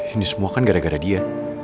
ini semua kan gara gara dia